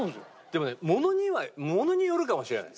でもねものによるかもしれない。